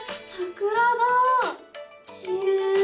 きれい。